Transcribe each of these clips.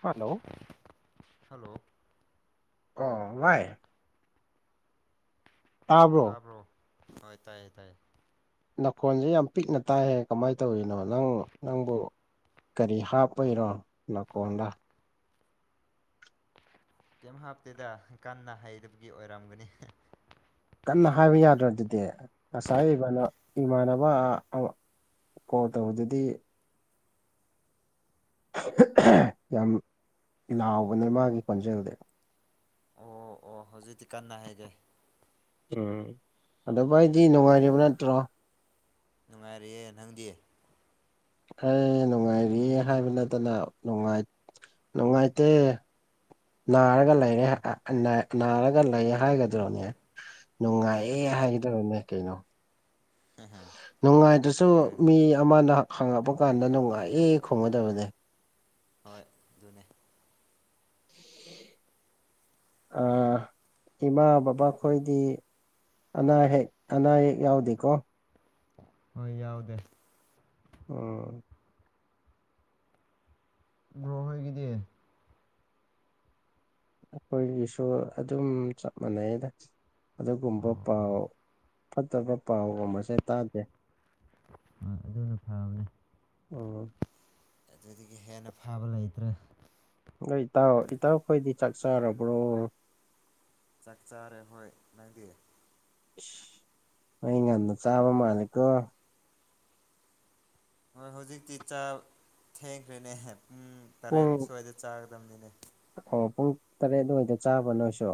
ꯍꯟꯅꯣ hello ꯑꯣ ꯚꯥꯏ ꯇꯥꯕ꯭ꯔꯣ ꯍꯣꯏ ꯇꯥꯏꯌꯦ ꯇꯥꯏꯌꯦ ꯅꯈꯣꯟꯖꯦ ꯌꯥꯝ ꯄꯤꯛꯅ ꯇꯥꯏꯍꯦ ꯀꯃꯥꯏ ꯇꯧꯔꯤꯅꯣ ꯅꯪ ꯅꯪꯕꯨ ꯀꯔꯤ ꯍꯥꯞꯄꯩꯔꯣ ꯅꯀꯣꯟꯗ ꯀꯦꯝ ꯍꯥꯞꯇꯦꯗ ꯀꯟꯅ ꯍꯩꯗꯕꯒꯤ ꯑꯣꯏꯔꯝꯒꯅꯤ [unintelligible] ꯀꯟꯅ ꯍꯥꯏꯕ ꯌꯥꯗ꯭ꯔ ꯑꯗꯨꯗꯤ ꯉꯁꯥꯏ ꯏꯚꯥꯟꯅ ꯏꯃꯥꯟꯅꯕ ꯀꯣꯜ ꯇꯧꯕ ꯗꯨꯗꯤ [unintelligible] ꯌꯥꯝ ꯂꯥꯎꯕꯅꯦ ꯃꯥꯒꯤ ꯈꯣꯟꯖꯦꯜꯗꯤ ꯑꯣ ꯑꯣ ꯍꯧꯖꯤꯛꯇꯤ ꯀꯟꯅ ꯍꯥꯏꯒꯦ ꯎꯝ ꯑꯗꯨ ꯚꯥꯏꯗꯤ ꯅꯨꯡꯉꯥꯏꯔꯤꯕ ꯅꯠꯇ꯭ꯔꯣ ꯅꯨꯡꯉꯥꯏꯔꯤꯌꯦ ꯅꯪꯗꯤ ꯍꯩ ꯅꯨꯡꯉꯥꯏꯔꯤ ꯍꯥꯏꯕ ꯅꯠꯇꯅ ꯅꯨꯡꯉꯥꯏ ꯅꯨꯡꯉꯥꯏꯇꯦ ꯅꯥꯔꯒ ꯂꯩꯔꯦ ꯅꯥꯔꯒ ꯂꯩꯔꯦ ꯍꯥꯏꯒꯗ꯭ꯔꯣꯅꯦ ꯅꯨꯡꯉꯥꯏꯌꯦ ꯍꯥꯏꯒꯗꯕꯅꯦ ꯀꯩꯅꯣ ꯅꯨꯡꯉꯥꯏꯗꯁꯨ ꯑꯗꯨꯅꯤ ꯃꯤ ꯑꯃꯅ ꯍꯪꯉꯛꯄ ꯀꯥꯟꯗ ꯅꯨꯡꯉꯥꯏꯌꯦ ꯈꯨꯝꯒꯗꯕꯅꯦ ꯍꯣꯏ ꯑꯗꯨꯅꯦ ꯑ ꯏꯃꯥ ꯕꯕꯥ ꯈꯣꯏꯗꯤ ꯑꯅꯥꯍꯦꯛ ꯑꯅꯥꯌꯦꯛ ꯌꯥꯎꯗꯦꯀꯣ ꯍꯣꯏ ꯌꯥꯎꯗꯦ ꯎꯝ ꯕ꯭ꯔꯣ ꯍꯣꯏꯒꯤꯗꯤ ꯑꯩꯈꯣꯏꯒꯤꯁꯨ ꯑꯗꯨꯝ ꯆꯞ ꯃꯥꯟꯅꯩꯌꯦ ꯑꯗꯨꯒꯨꯝꯕ ꯑꯣ ꯑꯣ ꯄꯥꯎ ꯐꯠꯇꯕ ꯄꯥꯎꯒꯨꯝꯕꯁꯦ ꯇꯥꯗꯦ ꯑꯗꯨꯅ ꯐꯕꯅꯦ ꯎꯝ ꯑꯗꯨꯗꯒꯤ ꯍꯦꯟꯅ ꯐꯥꯕ ꯂꯩꯇ꯭ꯔꯦ ꯑꯩꯈꯣꯏ ꯏꯇꯥꯎ ꯏꯇꯥꯎꯈꯣꯏꯗꯤ ꯆꯥꯛ ꯆꯥꯔꯕ꯭ꯔꯣ ꯆꯥꯛ ꯆꯥꯔꯦ ꯍꯣꯏ ꯅꯪꯗꯤ ꯑꯩ ꯉꯥꯟꯅ ꯆꯥꯕ ꯃꯂꯦꯀꯣ ꯍꯣꯏ ꯍꯧꯖꯤꯛꯇꯤ ꯆꯥ ꯊꯦꯡꯈ꯭ꯔꯦꯅꯦ ꯄꯨꯡ ꯄꯨꯡ ꯇꯔꯦꯠ ꯁ꯭ꯋꯥꯏꯗ ꯆꯥꯒꯗꯝꯕꯅꯤꯅꯦ ꯑꯣ ꯄꯨꯡ ꯇꯔꯦꯠꯋꯥꯏꯗ ꯆꯥꯕ ꯅꯣꯏꯁꯨ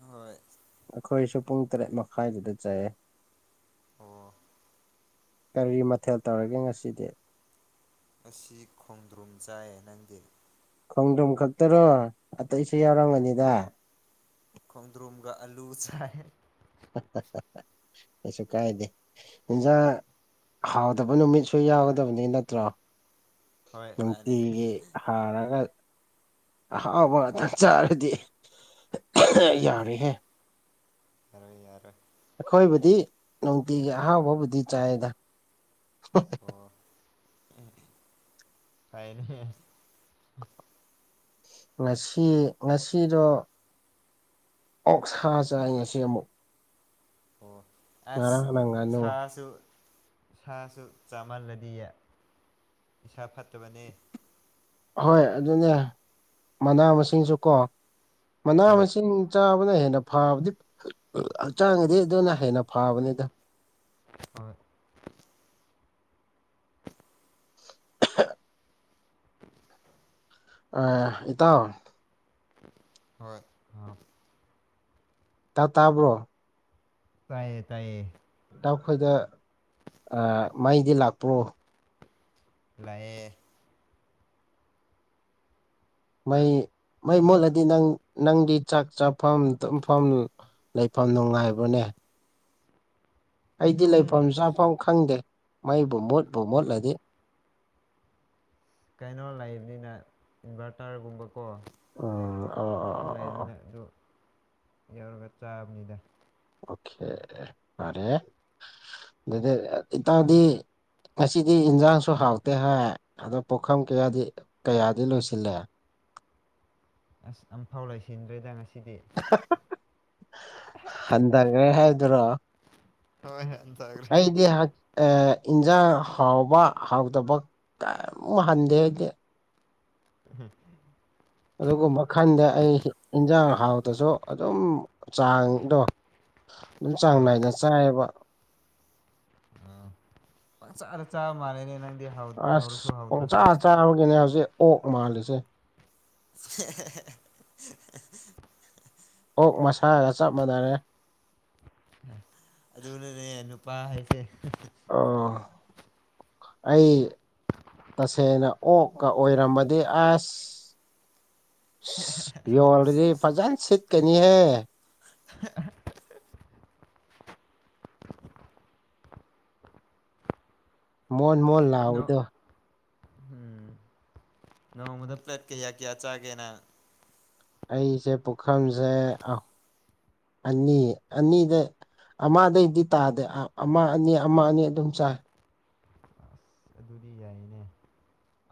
ꯍꯣꯏ ꯑꯩꯈꯣꯏꯁꯨ ꯄꯨꯡ ꯇꯔꯦꯠ ꯃꯈꯥꯏꯗꯨꯗ ꯆꯥꯏꯑ ꯑꯣ ꯀꯔꯤ ꯃꯊꯦꯜ ꯇꯧꯔꯒꯦ ꯉꯁꯤꯗꯤ ꯑꯁꯤ ꯈꯣꯡꯗ꯭ꯔꯨꯝ ꯆꯥꯏ ꯅꯪꯗꯤ ꯈꯣꯡꯗ꯭ꯔꯣꯝ ꯈꯛꯇꯔꯣ ꯑꯇꯩꯁꯨ ꯌꯥꯎꯔꯝꯒꯅꯤꯗ ꯈꯣꯡꯗ꯭ꯔꯣꯨꯝꯒ ꯑꯥꯂꯨ ꯁꯥꯏ ꯀꯩꯁꯨ ꯀꯥꯏꯗꯦ ꯏꯟꯖꯥꯡ ꯍꯥꯎꯗꯕ ꯅꯨꯃꯤꯠꯁꯨ ꯌꯥꯎꯒꯗꯕꯅꯤ ꯅꯠꯇ꯭ꯔꯣ ꯍꯣꯏ ꯃꯥꯅꯦ ꯅꯨꯡꯇꯤꯒꯤ ꯍꯥꯎꯔꯒ ꯑꯍꯥꯎꯕ ꯉꯥꯛꯇ ꯆꯥꯔꯗꯤ ꯍꯣꯏ ꯌꯥꯔꯦꯍꯦ ꯌꯥꯔꯣꯏ ꯌꯥꯔꯣꯏ ꯑꯩꯈꯣꯏꯕꯨꯗꯤ ꯅꯨꯡꯇꯤꯒꯤ ꯑꯍꯥꯎꯕꯕꯨꯗꯤ ꯆꯥꯏꯗ ꯑꯣ ꯐꯥꯏꯅꯦ ꯉꯁꯤ ꯉꯁꯤꯗꯣ ꯑꯣꯛꯁꯥ ꯆꯥꯏ ꯉꯁꯤ ꯑꯃꯨꯛ ꯑꯣ ꯑꯁ ꯉꯔꯥꯡꯅ ꯉꯥꯅꯨ ꯁꯥꯁꯨ ꯏꯁꯥꯁꯨ ꯆꯥꯃꯥꯜꯂꯗꯤ ꯏꯁꯥ ꯐꯠꯇꯕꯅꯦ꯫ ꯍꯣꯏ ꯑꯗꯨꯅꯦ ꯃꯅꯥ ꯃꯁꯤꯡꯁꯨ ꯀꯣ ꯃꯅꯥ ꯍꯣꯏ ꯃꯁꯤꯡ ꯆꯥꯕꯅ ꯍꯦꯟꯅ ꯐꯕꯗꯤ ꯍꯛꯆꯥꯡꯉꯗꯤ ꯑꯗꯨꯅ ꯍꯦꯟꯅ ꯐꯥꯕꯅꯤꯗ꯫ ꯍꯣꯏ꯫ [unintelligible] [unintelligible] ꯑ ꯏꯇꯥꯎ ꯍꯣꯏ꯫ ꯇꯥ ꯇꯥꯕ꯭ꯔꯣ꯫ ꯇꯥꯏꯌꯦ ꯇꯥꯏꯌꯦ꯫ ꯅꯈꯣꯏꯗ ꯑꯥ ꯃꯩꯗꯤ ꯂꯥꯛꯄ꯭ꯔꯣ ꯂꯥꯛꯌꯦ ꯃꯩ ꯃꯩ ꯃꯨꯠꯂꯗꯤ ꯅꯪ ꯅꯪꯗꯤ ꯆꯥꯛ ꯆꯥꯐꯝ ꯇꯨꯝꯐꯝ ꯂꯩꯐꯝ ꯅꯨꯡꯉꯥꯏꯕꯣꯅꯦ ꯑꯩꯗꯤ ꯑꯗꯨꯝ ꯂꯩꯐꯝ ꯆꯥꯐꯝ ꯈꯪꯗꯦ ꯃꯩꯕꯨ ꯃꯨꯠꯄ ꯃꯨꯠꯂꯗꯤ ꯀꯩꯅꯣ ꯂꯩꯕꯅꯤꯅ ꯏꯟꯚꯔꯇꯔꯒꯨꯝꯕꯀꯣ ꯎꯝ ꯑꯣ ꯑꯣ ꯑꯣ ꯑꯣ ꯂꯩꯥꯕꯅꯤ ꯑꯗꯨ ꯌꯧꯔꯒ ꯆꯥꯕꯅꯤꯗ ꯑꯣ ꯀꯦ ꯐꯔꯦ ꯑꯗꯨꯗꯤ ꯑꯣꯏꯇꯗꯤ ꯉꯁꯤꯗꯤ ꯏꯟꯁꯥꯡꯁꯨ ꯍꯥꯎꯇꯦ ꯍꯥꯏ ꯑꯗꯣ ꯄꯨꯈꯝ ꯀꯌꯥꯗꯤ ꯀꯌꯥꯗꯤ ꯂꯣꯏꯁꯤꯜꯂꯦ ꯑꯁ ꯑꯃꯐꯥꯎ ꯂꯣꯏꯁꯤꯟꯗ꯭ꯔꯤꯗ ꯉꯁꯤꯗꯤ ꯍꯟꯊꯈ꯭ꯔꯦ ꯍꯥꯏꯗꯨꯔꯣ ꯍꯣꯏ ꯍꯦ ꯑꯩꯗꯤ ꯍꯛ ꯏꯟꯁꯥꯡ ꯍꯥꯎꯕ ꯍꯥꯎꯇꯕ ꯀꯩꯃꯨꯛ ꯍꯟꯗꯦ ꯑꯩꯗꯤ ꯍꯝ ꯑꯗꯨꯒꯨꯝꯕ ꯈꯟꯗꯦ ꯑꯩ ꯏꯟꯁꯥꯡ ꯍꯥꯎꯇꯁꯨ ꯑꯗꯨꯝ ꯆꯥꯡꯗꯣ [inaudible] ꯑꯗꯨꯝ ꯆꯥꯡ ꯅꯥꯏꯅ ꯆꯥꯏꯌꯦꯕ ꯎꯝ ꯄꯡꯆꯥꯗ ꯆꯥꯕ ꯃꯥꯜꯂꯦꯅꯦ ꯅꯪꯗꯤ ꯍꯥꯎꯔꯁꯨ ꯑꯁ ꯄꯪꯆꯥ ꯍꯥꯎꯇ꯭ꯔꯁꯨ ꯆꯥꯕꯒꯤꯅꯦ ꯍꯧꯖꯤꯛ ꯑꯣꯛ ꯃꯥꯜꯂꯤꯁꯦ [inaudible] ꯑꯣꯛ ꯃꯁꯥꯒ ꯆꯞ ꯃꯥꯟꯅꯔꯦ ꯑꯗꯨꯅꯅꯦ ꯅꯨꯄꯥ ꯍꯥꯏꯁꯦ ꯑꯣ ꯑꯩ ꯇꯁꯦꯡꯅ ꯑꯣꯛꯀ ꯑꯣꯏꯔꯝꯃꯗꯤ ꯑꯁ [inaudible] [inaudible] ꯌꯣꯜꯂꯗꯤ ꯐꯖꯅ ꯁꯤꯠꯀꯅꯤꯍꯦ ꯃꯣꯟ ꯃꯣꯟ ꯅꯣ ꯂꯥꯎꯕꯗꯣ ꯎꯝ ꯅꯣꯡꯃꯗ ꯄ꯭ꯂꯦꯠ ꯀꯌꯥ ꯀꯌꯥ ꯆꯥꯒꯦ ꯅꯪꯪ ꯑꯩꯁꯦ ꯄꯨꯈꯝꯁꯦ ꯑꯅꯤ ꯑꯅꯤꯗ ꯑꯃꯗꯩꯗꯤ ꯇꯥꯗꯦ ꯑꯃ ꯑꯅꯤ ꯑꯃ ꯑꯅꯤ ꯑꯗꯨꯝ ꯆꯥꯏ ꯑꯁ ꯑꯗꯨꯗꯤ ꯌꯥꯏꯅꯦ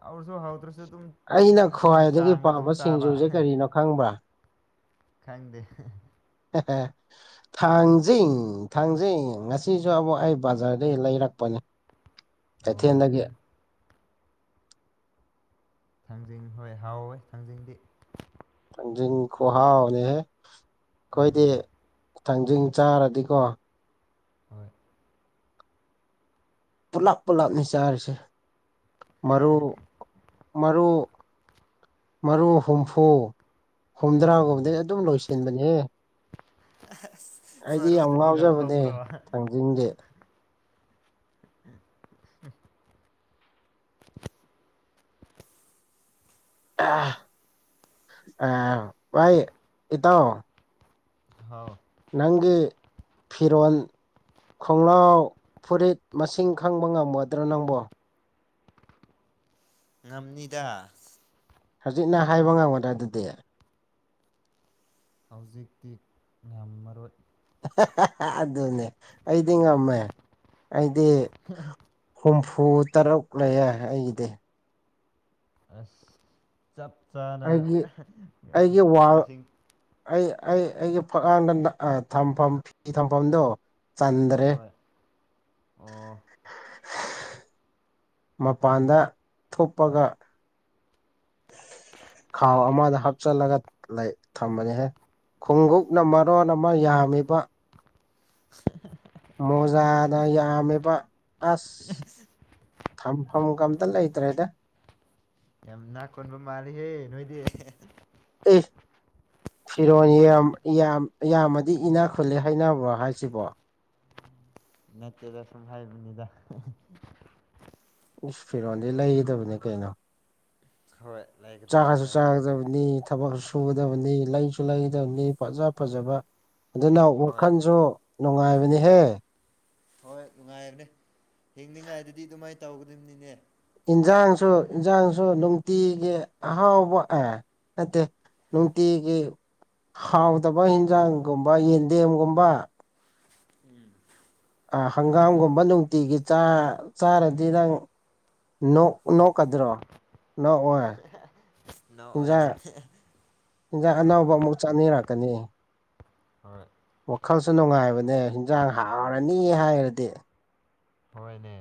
ꯍꯥꯎꯔꯁꯨ ꯍꯥꯎꯇ꯭ꯔꯁꯨ ꯑꯗꯨꯝ ꯑꯩꯅ ꯑꯁꯤꯒꯤ ꯈ꯭ꯋꯥꯏꯗꯒꯤ ꯆꯥꯡꯗ ꯑꯗꯨꯝ ꯄꯥꯝꯕ ꯆꯥꯕ ꯁꯤꯡꯖꯨꯁꯦ ꯀꯔꯤꯅꯣ ꯈꯪꯕ꯭ꯔꯥ ꯈꯪꯗꯦ [inaudible] ꯊꯥꯡꯖꯤꯡ ꯊꯥꯡꯖꯤꯡ ꯉꯁꯤꯁꯨ ꯑꯃꯨꯛ ꯑꯩ ꯕꯖꯥꯔꯗꯒꯤ ꯂꯩꯔꯛꯄꯅꯦ ꯑꯣ ꯀꯊꯤꯦꯜꯗꯒꯤ ꯊꯥꯡꯖꯤꯡ ꯍꯣꯏ ꯍꯥꯎꯋꯦ ꯊꯥꯡꯖꯤꯡꯗꯤ ꯊꯥꯡꯖꯤꯡ ꯈꯨꯍꯥꯎꯅꯦꯍꯦ ꯑꯩꯈꯣꯏꯗꯤ ꯎꯝ ꯊꯥꯡꯖꯤꯡ ꯆꯥꯔꯗꯤꯀꯣ ꯍꯣꯏ ꯄꯨꯂꯞ ꯄꯨꯂꯞꯅꯤ ꯆꯥꯔꯤꯁꯦ ꯃꯔꯨ ꯃꯔꯨ ꯃꯔꯨ ꯍꯨꯝꯐꯨ ꯎꯝ ꯍꯨꯝꯗ꯭ꯔꯥꯒꯨꯝꯕꯗꯤ ꯑꯗꯨꯝ ꯂꯣꯏꯁꯤꯟꯕꯅꯤꯍꯦ ꯑꯁ ꯃꯔꯨꯗꯨꯗꯤ ꯂꯧꯊꯣꯛꯄ꯭ꯔꯣ ꯏꯪꯗꯦ ꯑꯥ ꯚꯥꯏ ꯏꯇꯥꯎ ꯍꯥꯎ ꯅꯪꯒꯤ ꯐꯤꯔꯣꯟ ꯈꯣꯡꯒꯥꯎ ꯐꯨꯔꯤꯠ ꯃꯁꯤꯡ ꯈꯪꯕ ꯉꯝꯃꯗ꯭ꯔꯣ ꯅꯪꯕꯣ ꯉꯝꯅꯤꯗ ꯍꯧꯖꯤꯛꯅ ꯍꯥꯏꯕ ꯉꯝꯒꯗ꯭ꯔꯥ ꯑꯗꯨꯗꯤ ꯍꯧꯖꯤꯛꯇꯤ ꯉꯝꯃꯔꯣꯏ ꯑꯗꯨꯅꯦ ꯑꯩꯗꯤ ꯉꯝꯃꯦ ꯑꯩꯗꯤ [unintelligible] ꯍꯨꯝꯐꯨ ꯇꯔꯨꯛ ꯂꯩꯌꯦ ꯑꯩꯒꯤꯗꯤ ꯑꯁ ꯆꯞ ꯆꯥꯅ ꯑꯩꯒꯤ ꯑꯩꯒꯤ ꯋꯥꯜ ꯃꯥꯁꯤꯡ ꯑꯩ ꯑꯩ ꯑꯩꯒꯤ ꯐꯛꯂꯥꯡꯗ ꯊꯝꯐꯝ ꯐꯤ ꯊꯝꯐꯝꯗꯣ ꯆꯟꯗ꯭ꯔꯦ ꯍꯣꯏ ꯑꯣ ꯃꯄꯥꯟꯗ ꯊꯨꯝꯄꯒ ꯈꯥꯎ ꯑꯃꯗ ꯍꯥꯞꯆꯜꯂꯒ ꯊꯝꯕꯅꯤꯍꯦ ꯈꯨꯎꯞꯅ ꯃꯔꯣꯟ ꯑꯃ ꯌꯥꯝꯃꯤꯕ ꯃꯣꯖꯥꯅ ꯌꯥꯝꯃꯤꯕ ꯑꯁ [unintelligible] ꯊꯝꯐꯝꯒ ꯑꯝꯇ ꯂꯩꯇ꯭ꯔꯦꯗ ꯌꯥꯝ ꯏꯅꯥꯛ ꯈꯨꯟꯕ ꯃꯥꯜꯂꯤꯍꯦ ꯅꯣꯏꯗꯤ ꯑꯦ ꯐꯤꯔꯣꯜ ꯌꯥꯝ ꯌꯥꯝ ꯌꯥꯝꯃꯗꯤ ꯏꯅꯥꯛ ꯈꯨꯜꯂꯦ ꯍꯩꯅꯕ꯭ꯔꯣ ꯍꯥꯏꯁꯤꯕꯣ ꯅꯠꯇꯦꯗ ꯁꯨꯝ ꯍꯥꯏꯕꯅꯤꯗ ꯏꯁ ꯐꯤꯔꯣꯟꯜꯗꯤ ꯂꯩꯒꯗꯕꯅꯤ ꯀꯩꯅꯣ ꯍꯣꯏ ꯂꯩ ꯆꯥꯒꯁꯨ ꯆꯥꯒꯗꯕꯅꯤ ꯊꯥꯕꯛꯁꯨ ꯁꯨꯒꯗꯕꯅꯤ ꯂꯩꯁꯨ ꯂꯩꯒꯗꯕꯅꯤ ꯐꯖꯥ ꯐꯖꯕ ꯑꯗꯨꯅ ꯍꯣꯏ ꯋꯥꯈꯜꯁꯨ ꯅꯨꯡꯉꯥꯏꯕꯅꯤꯍꯦ ꯍꯣꯏ ꯅꯨꯡꯉꯥꯏꯕꯅꯦ ꯍꯤꯡꯅꯤꯡ ꯉꯥꯏꯗꯨꯗꯤ ꯑꯗꯨꯃꯥꯏꯟ ꯇꯧꯒꯗꯕꯅꯤꯅꯦ ꯏꯟꯁꯥꯡꯁꯨ ꯏꯟꯁꯥꯡꯁꯨ ꯅꯨꯡꯇꯤꯒꯤ ꯑꯍꯥꯎꯕ ꯑꯥ ꯅꯠꯇꯦ ꯅꯨꯡꯇꯤꯒꯤ ꯍꯥꯎꯗꯕ ꯏꯟꯖꯥꯡꯒꯨꯝꯕ ꯌꯦꯟꯗꯦꯝꯒꯨꯝꯕ ꯎꯝ ꯑꯥ ꯍꯪꯒꯥꯝꯒꯨꯝꯕ ꯅꯨꯡꯇꯤꯒꯤ ꯆꯥ ꯆꯥꯔꯗꯤ ꯅꯪ ꯅꯣꯛ ꯅꯣꯛꯀꯗ꯭ꯔꯣ ꯅꯣꯛ ꯑꯣꯏ ꯅꯣꯛ ꯑꯣꯏꯅꯦ ꯍꯤꯟꯖꯥꯡ ꯑꯅꯧꯕ ꯑꯃꯨꯛ ꯆꯥꯅꯤꯔꯛꯀꯅꯤ ꯍꯣꯏ ꯋꯥꯈꯜꯁꯨ ꯅꯨꯡꯉꯥꯏꯕꯅꯦ ꯍꯤꯟꯖꯥꯡ ꯍꯥꯎꯔꯅꯤ ꯍꯥꯏꯔꯗꯤ ꯍꯣꯏꯅꯦ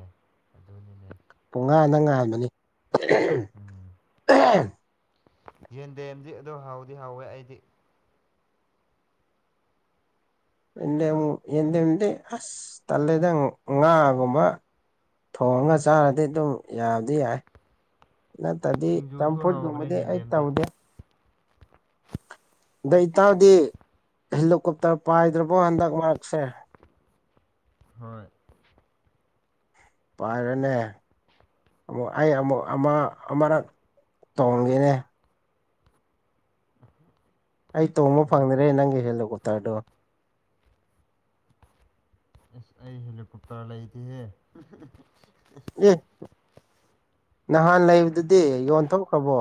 ꯑꯗꯨꯅꯤ ꯄꯨꯡꯉꯥꯟꯒ ꯉꯥꯟꯕꯅꯤ ꯎꯝ [unintelligible] ꯌꯦꯟꯗꯦꯝꯗꯤ ꯑꯗꯨꯝ ꯍꯥꯎꯗꯤ ꯍꯥꯎꯋꯦ ꯑꯩꯗꯤ ꯌꯦꯟꯗꯦꯝ ꯌꯦꯟꯗꯦꯝꯗꯤ ꯑꯁ ꯇꯜꯂꯦꯗ ꯉꯥꯒꯨꯝꯕ ꯊꯣꯡꯉ ꯆꯥꯔꯗꯤ ꯑꯗꯨꯝ ꯌꯥꯗꯤ ꯌꯥꯏ ꯅꯠꯇ꯭ꯔꯗꯤ ꯆꯝ ꯁꯤꯡꯖꯨꯁꯨ ꯍꯥꯎꯕꯅꯦ ꯐꯨꯠꯒꯨꯝꯕꯗꯤ ꯑꯩ ꯌꯦꯟꯗꯦꯝꯗꯤ ꯇꯧꯗꯦ ꯑꯗꯣ ꯏꯇꯥꯎꯗꯤ ꯍꯦꯂꯤꯀꯨꯞꯇꯔ ꯄꯥꯏꯗ꯭ꯔꯕꯣ ꯍꯟꯗꯛ ꯃꯔꯛꯁꯦ ꯍꯣꯏ ꯄꯥꯏꯔꯅꯦ ꯑꯃꯨꯛ ꯑꯩ ꯑꯃꯨꯛ ꯑꯃ ꯑꯃꯔꯛ ꯇꯣꯡꯒꯦꯅꯦ ꯑꯩ ꯇꯣꯡꯕ ꯐꯪꯗꯔꯦ ꯍꯦꯂꯤꯀꯣꯞ ꯅꯪꯒꯤ ꯍꯦꯂꯤꯀꯣꯞꯇꯔꯗꯣ ꯑꯁ ꯑꯩ ꯍꯦꯂꯤ ꯀꯣꯞꯇ꯭ꯔꯥ ꯂꯩꯇꯦꯍꯦ ꯑꯦ ꯅꯍꯥꯟ ꯂꯩꯕꯗꯨꯗꯤ ꯌꯣꯟꯊꯣꯛꯈ꯭ꯔꯕꯣ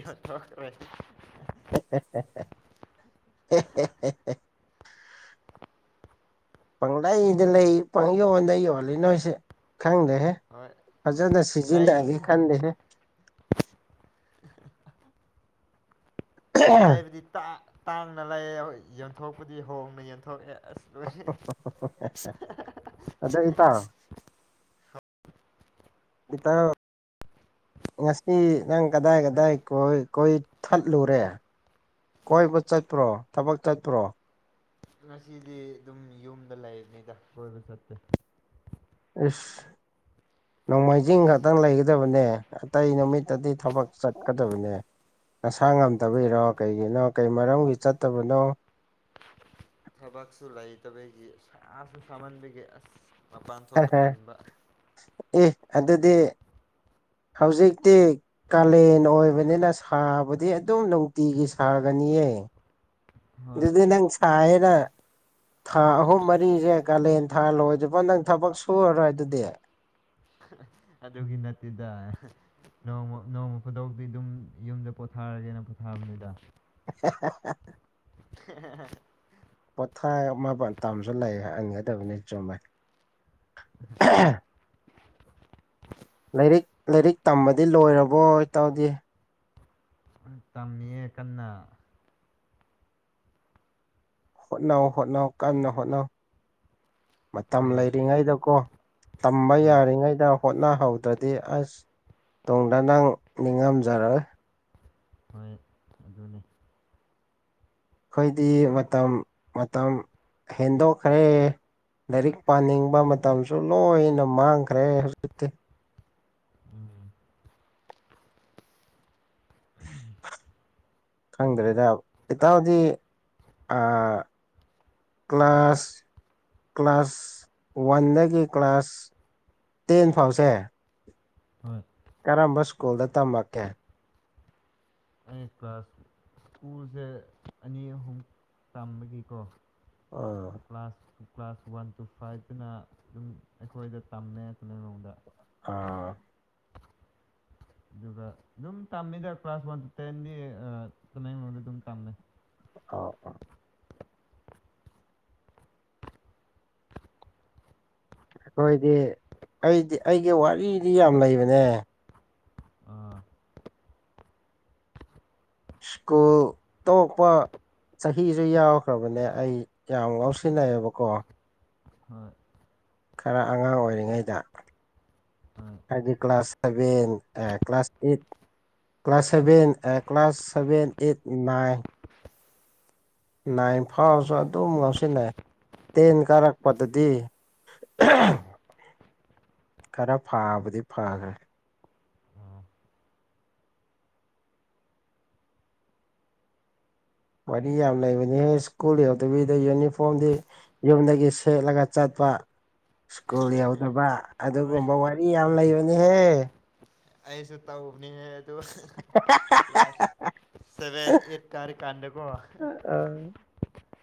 ꯌꯣꯟꯊꯣꯛꯈ꯭ꯔ ꯄꯪꯂꯩꯗ ꯂꯩ ꯄꯪ ꯌꯣꯟꯗ ꯌꯣꯜꯂꯤ ꯅꯣꯏꯁꯦ ꯈꯪꯗ꯭ꯔꯦꯍꯦ ꯍꯣꯏ ꯐꯖꯟꯅ ꯂꯩ ꯁꯤꯖꯤꯟꯅꯒꯦ ꯈꯟꯗꯦꯍꯦ ꯂꯩꯕꯨꯗꯤ ꯇꯥꯡꯅ ꯂꯩꯑꯦ ꯌꯣꯟꯊꯣꯛꯄꯗꯤ ꯍꯣꯡꯅ ꯌꯣꯟꯊꯣꯛꯑꯦ ꯑꯁ ꯍ ꯑꯗꯣ ꯏꯇꯥꯎ ꯏꯇꯥꯎ ꯉꯁꯤ ꯅꯪ ꯀꯗꯥꯏ ꯀꯗꯥꯏ ꯀꯣꯏ ꯀꯣꯏ ꯊꯠꯂꯨꯔꯦ ꯀꯣꯏꯕ ꯆꯠꯄ꯭ꯔꯣ ꯊꯕꯛ ꯆꯠꯄ꯭ꯔꯣ ꯉꯁꯤꯗꯤ ꯑꯗꯨꯝ ꯌꯨꯝꯗ ꯂꯩꯕꯅꯤꯗ ꯀꯣꯏꯕ ꯆꯠꯇꯦ ꯏꯁ ꯅꯣꯡꯃꯥꯏꯖꯤꯡ ꯈꯛꯇ ꯑꯁ ꯂꯩꯒꯗꯕꯅꯦ ꯑꯇꯩ ꯅꯨꯃꯤꯠꯇꯗꯤ ꯊꯕꯛ ꯆꯠꯀꯗꯕꯅꯦ ꯅꯁꯥ ꯊꯕꯛ ꯉꯝꯗꯕꯤꯩꯔꯣ ꯀꯩꯒꯤꯅꯣ ꯀꯩ ꯃꯔꯝꯒꯤ ꯆꯠꯇꯕꯅꯣ ꯊꯕꯛꯁꯨ ꯂꯩꯇꯕꯒꯤ ꯁꯥꯥꯁꯨ ꯁꯥꯃꯟꯕꯒꯤ ꯑꯁ ꯃꯄꯥꯟ ꯊꯣꯛꯄ ꯇꯥꯟꯕ ꯑꯦ ꯑꯗꯨꯗꯤ ꯍꯧꯖꯤꯛꯇꯤ ꯀꯥꯂꯦꯟ ꯑꯣꯏꯕꯅꯤꯅ ꯁꯥꯕꯗꯤ ꯑꯗꯨꯝ ꯅꯨꯡꯇꯤꯒꯤ ꯁꯥꯒꯅꯤꯌꯦ ꯍꯣꯏ ꯑꯗꯨꯗꯤ ꯅꯪ ꯁꯥꯏꯌꯦꯅ ꯊꯥ ꯑꯍꯨꯝ ꯃꯔꯤꯁꯦ ꯀꯥꯂꯦꯟ ꯊꯥ ꯂꯣꯏꯗꯕ ꯅꯪ ꯊꯕꯛ ꯁꯨꯔꯔꯣꯏ ꯑꯗꯨꯗꯤ ꯑꯗꯨꯒꯤ ꯅꯠꯇꯦꯗ ꯅꯣꯡꯃ ꯅꯣꯡꯃ ꯈꯨꯗꯧꯇꯤ ꯑꯗꯨꯝ ꯌꯨꯝꯗ ꯄꯣꯊꯥꯔꯒꯦꯅ ꯄꯣꯊꯥꯕꯅꯤꯗ ꯄꯣꯊꯥ ꯑꯃ ꯇꯝꯁꯨ ꯂꯩ ꯍꯟꯒꯗꯕꯅꯤ ꯆꯨꯝꯃꯦ ꯂꯥꯏꯔꯤꯛ ꯂꯥꯏꯔꯤꯛ ꯇꯝꯕꯗꯤ ꯂꯣꯏꯔꯕꯣ ꯏꯇꯧꯗꯤ ꯇꯝꯃꯤꯌꯦ ꯀꯟꯅ ꯍꯣꯠꯅꯧ ꯍꯣꯠꯅꯧ ꯀꯟꯅ ꯍꯣꯠꯅꯧ ꯃꯇꯝ ꯍꯣꯏ ꯂꯩꯔꯤꯉꯩꯗꯀꯣ ꯇꯝꯕ ꯍꯣꯏ ꯌꯥꯔꯤꯉꯩꯗ ꯍꯣꯠꯅꯍꯧꯗ꯭ꯔꯗꯤ ꯑꯁ ꯇꯨꯡꯗ ꯅꯪ ꯅꯤꯡꯉꯝꯖꯔꯣꯏ ꯍꯣꯏ ꯑꯗꯨꯅꯤ ꯑꯩꯈꯣꯏꯗꯤ ꯃꯇꯝ ꯃꯇꯝ ꯍꯦꯟꯗꯣꯛꯈ꯭ꯔꯦ ꯂꯥꯏꯔꯤꯛ ꯄꯥꯅꯤꯡꯕ ꯃꯇꯝꯁꯨ ꯂꯣꯏꯅ ꯃꯥꯡꯈ꯭ꯔꯦ ꯍꯧꯖꯤꯛꯇꯤ ꯎꯝ ꯈꯪꯗ꯭ꯔꯦꯗ ꯏꯇꯧꯗꯤ ꯑ ꯀ꯭ꯂꯥꯁ ꯀ꯭ꯂꯥꯁ ꯋꯥꯟꯗꯒꯤ ꯀ꯭ꯂꯥꯁ ꯇꯦꯟ ꯐꯥꯎꯁꯦ ꯍꯣꯏ ꯀꯔꯝꯕ ꯁ꯭ꯀꯨꯜꯗ ꯇꯝꯃꯛꯀꯦ ꯀ꯭ꯂꯥꯁ ꯁ꯭ꯀꯨꯜꯁꯦ ꯑꯅꯤ ꯑꯍꯨꯝ ꯇꯝꯕꯒꯤꯀꯣ ꯑꯣ ꯀ꯭ꯂꯥꯁ ꯀ꯭ꯂꯥꯁ ꯋꯥꯟ ꯇꯨ ꯐꯥꯏꯚꯇꯅ ꯑꯗꯨꯝ ꯑꯩꯈꯣꯏꯗ ꯇꯝꯃꯦ ꯇꯃꯦꯡꯂꯣꯡꯗ ꯑꯥ ꯑꯗꯨꯒ ꯑꯗꯨꯝ ꯇꯝꯃꯤꯗ ꯀ꯭ꯂꯥꯁ ꯋꯥ ꯇꯨ ꯇꯦꯟꯗꯤ ꯇꯥꯃꯦꯡꯂꯣꯡꯗ ꯑꯗꯨꯝ ꯇꯝꯃꯦ ꯑꯣ ꯑꯣ ꯑꯩꯈꯣꯏꯗꯤ ꯑꯩꯗꯤ ꯑꯩꯒꯤ ꯋꯥꯔꯤꯗꯤ ꯌꯥꯝ ꯂꯩꯕꯅꯦ ꯑꯥ ꯁ꯭ꯀꯨꯜ ꯇꯣꯛꯄ ꯆꯍꯤꯁꯨ ꯌꯥꯎꯈ꯭ꯔꯕꯅꯦ ꯑꯩ ꯌꯥꯝ ꯉꯥꯎꯁꯤꯟꯅꯩꯌꯦꯕꯀꯣ ꯍꯣꯏ ꯈꯔ ꯑꯉꯥꯡ ꯑꯣꯏꯔꯤꯉꯩꯗ ꯍꯣꯏ ꯍꯥꯏꯗꯤ ꯀ꯭ꯂꯥꯁ ꯁꯚꯦꯟ ꯑ ꯀ꯭ꯂꯥꯁ ꯑꯩꯠ ꯀ꯭ꯂꯥꯁ ꯁꯚꯦꯟ ꯑ class seven eight nine nine ꯐꯥꯎꯔꯁꯨ ꯑꯗꯨꯝ ꯉꯧꯁꯤꯟꯅꯩ ꯇꯦꯟ ꯀꯥꯔꯛꯄꯗꯗꯤ ꯎꯝ ꯈꯔ ꯐꯥꯕꯗꯤ ꯐꯈ꯭ꯔꯦ ꯑꯥ ꯋꯥꯔꯤ ꯌꯥꯝ ꯂꯩꯕꯅꯤꯍꯦ ꯁ꯭ꯀꯨꯜ ꯌꯧꯗꯕꯤꯗ ꯌꯨꯅꯤꯐꯣꯝꯗꯤ ꯌꯨꯝꯗꯒꯤ ꯁꯦꯠꯂꯒ ꯆꯠꯄ ꯁ꯭ꯀꯨꯜ ꯌꯎꯗꯕ ꯍꯣꯏ ꯑꯗꯨꯒꯨꯝꯕ ꯋꯥꯔꯤ ꯌꯥꯝ ꯂꯩꯕꯅꯤꯍꯦ ꯑꯩꯁꯨ ꯇꯧꯕꯅꯦꯍ ꯑꯗꯨ ꯀ꯭ꯂꯥꯁ ꯁꯚꯦꯟ ꯑꯩꯠ ꯀꯥꯔꯤꯀꯥꯟꯗꯀꯣ ꯑꯥ